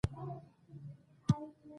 غل د امانت خیانت کوي